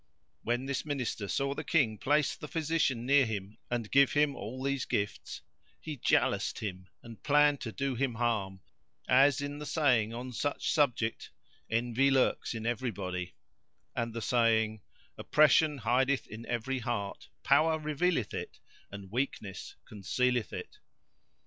When this Minister saw the King place the physician near him and give him all these gifts, he jaloused him and planned to do him a harm, as in the saying on such subject, "Envy lurks in every body;" and the saying, "Oppression hideth in every heart: power revealeth it and weakness concealeth it."